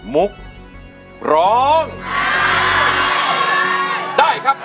มุกร้องได้ครับ